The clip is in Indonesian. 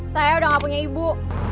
saya udah gak punya ibu